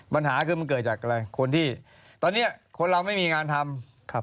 ปัญหาคือมันเกิดจากอะไรคนที่ตอนนี้คนเราไม่มีงานทำครับ